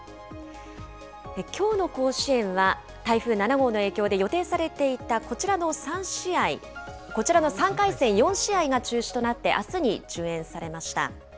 きょうの甲子園は、台風７号の影響で予定されていたこちらの３回戦４試合が中止となって、あすに順延されました。